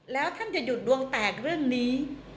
แล้วท่านจะหยุดดวงแตกเรื่องนี้